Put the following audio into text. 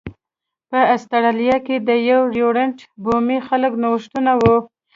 په اسټرالیا کې د یر یورونټ بومي خلکو نوښتونه و